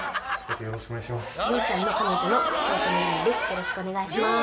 よろしくお願いします。